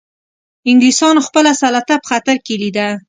انګلیسانو خپله سلطه په خطر کې لیده.